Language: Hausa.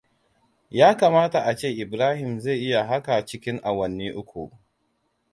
Ya kamata a ce Ibrahim zai iya haka cikin awanni uku.